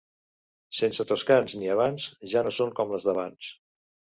Sense toscans ni havans ja no són com les d'abans.